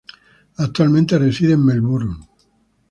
Actualmente reside en Melbourne.